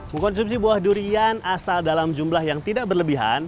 mengkonsumsi buah durian asal dalam jumlah yang tidak berlebihan